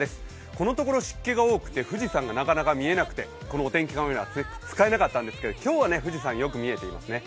このところ湿気が多くて、富士山がなかなか見えなくて、このお天気カメラ、使えなかったんですけれども、今日は富士山、よく見えていますね。